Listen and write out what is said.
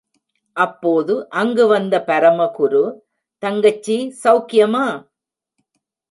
அப்போது அங்கு வந்த பரமகுரு, தங்கச்சி, சவுக்கியமா?